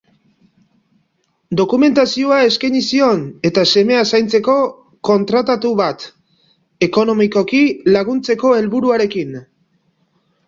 Dokumentazioa eskaini zion, eta semea zaintzeko kontratatu bat, ekonomikoki laguntzeko helburuarekin.